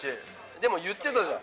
でも言ってたじゃん。